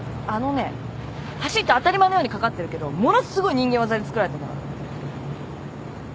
あのね橋って当たり前のように架かってるけどものすごい人間業で造られてんだから。